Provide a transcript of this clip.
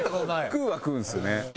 食うは食うんですね。